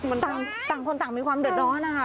เออต่างมีความเดือดร้อน